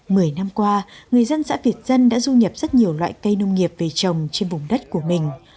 mười năm qua người dân xã việt dân đã du nhập rất nhiều loại cây nông nghiệp về trồng trên vùng đất của mình